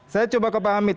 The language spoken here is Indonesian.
saya coba ke pak hamid